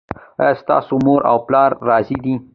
ایا ستاسو مور او پلار راضي دي؟